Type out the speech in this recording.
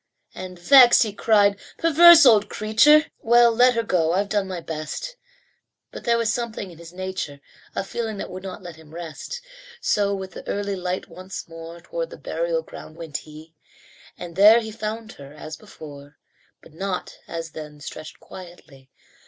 And, vexed, he cried, "Perverse old creature! Well, let her go. I've done my best." But there was something in his nature, A feeling that would not let him rest. So with the early light once more Toward the burial ground went he; And there he found her as before, But not, as then, stretched quietly.